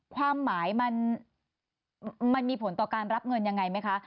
ความหมายมันมีผลต่อการรับเงินยังไงไหมคะ